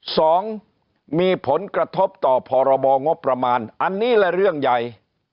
สองมีผลกระทบต่อพรบงบประมาณอันนี้และเรื่องใหญ่